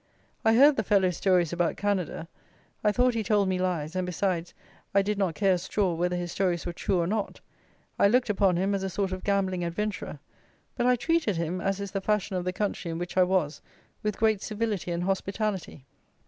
I heard the fellow's stories about Canada: I thought he told me lies; and, besides, I did not care a straw whether his stories were true or not; I looked upon him as a sort of gambling adventurer; but I treated him as is the fashion of the country in which I was, with great civility and hospitality.